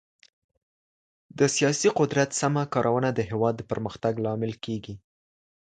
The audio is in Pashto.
د سياسي قدرت سمه کارونه د هېواد د پرمختګ لامل کېږي.